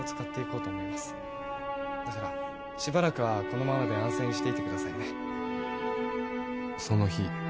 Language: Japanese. だからしばらくはこのままで安静にしていてくださいねその日